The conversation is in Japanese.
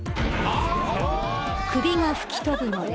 ［首が吹き飛ぶので］